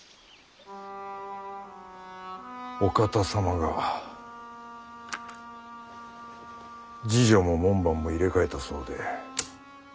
お方様が侍女も門番も入れ替えたそうで。